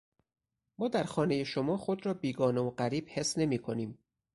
ما در خانهٔ شما خود را بیگانه و غریب حس نمیکنیم.